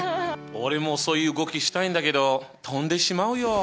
俺もそういう動きしたいんだけど飛んでしまうよ。